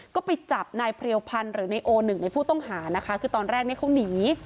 ก็ไปจับนายพริยาพันธ์หรือในในหัวหนึ่งในผู้ต้องหานะคะคือตอนแรกมิเคราะห์หนี